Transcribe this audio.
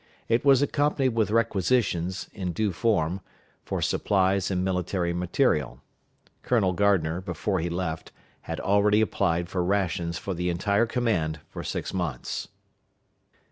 It was accompanied with requisitions, in due form, for supplies and military material. Colonel Gardner, before he left, had already applied for rations for the entire command for six months.